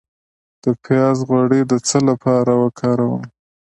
د پیاز غوړي د څه لپاره وکاروم؟